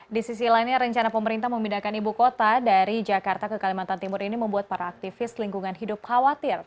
di sisi lainnya rencana pemerintah memindahkan ibu kota dari jakarta ke kalimantan timur ini membuat para aktivis lingkungan hidup khawatir